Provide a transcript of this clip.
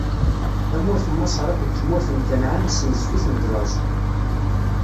Tamurt n Maṣer akked tmurt n Kanɛan issenzef-itent laẓ.